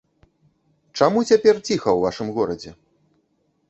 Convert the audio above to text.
Чаму цяпер ціха ў вашым горадзе?